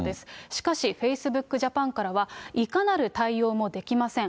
しかし、フェイスブックジャパンからは、いかなる対応もできません。